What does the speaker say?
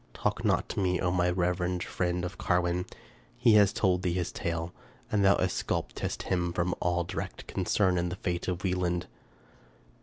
Talk not to me, O my reverend friend! of Carwin. He has told thee his tale, and thou exculpatest him from all direct concern in the fate of Wieland.